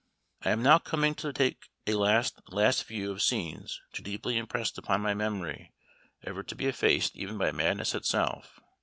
"I am now coming to take a last, last view of scenes too deeply impressed upon my memory ever to be effaced even by madness itself.